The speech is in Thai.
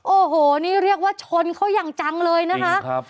โอ้โหนี่เรียกว่าชนเขาอย่างจังเลยนะคะ